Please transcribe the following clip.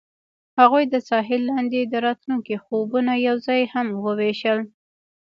هغوی د ساحل لاندې د راتلونکي خوبونه یوځای هم وویشل.